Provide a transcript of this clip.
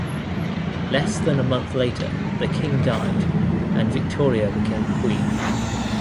Less than a month later the King died and Victoria became Queen.